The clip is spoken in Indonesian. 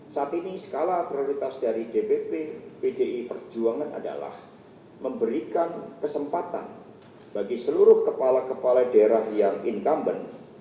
saat ini skala prioritas dari dpp pdi perjuangan adalah memberikan kesempatan bagi seluruh kepala kepala daerah yang incumbent